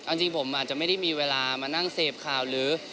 เอาจริงผมอาจจะไม่ได้มีเวลามานั่งเสพข่าวหรือ